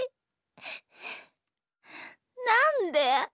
なんで？